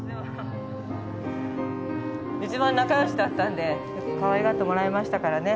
一番仲よしだったんでかわいがってもらいましたからね。